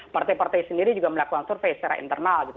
partai partai sendiri juga melakukan survei secara internal gitu